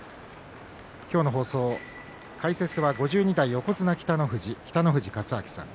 今日の放送、解説は５２代横綱北の富士北の富士勝昭さん